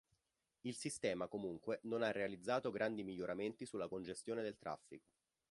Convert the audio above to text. Il sistema comunque non ha realizzato grandi miglioramenti sulla congestione del traffico.